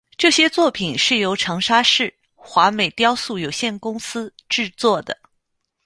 这些作品是由长沙市华美雕塑有限公司制作的。